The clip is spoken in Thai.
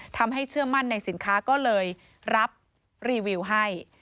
เชื่อมั่นในสินค้าก็เลยรับรีวิวให้